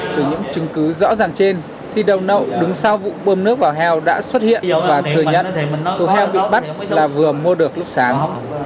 từ những chứng cứ rõ ràng trên thì đầu nậu đứng sau vụ bơm nước vào heo đã xuất hiện và thừa nhận số heo bị bắt là vừa mua được lúc sáng